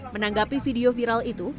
menanggapi video viral itu